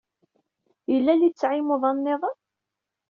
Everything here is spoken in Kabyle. Yella littseɛ i umdan niḍen?